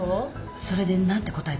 それで何て答えたの？